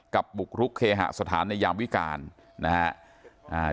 บุกรุกเคหสถานในยามวิการนะครับ